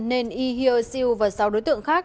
nên y hiêu siêu và sáu đối tượng khác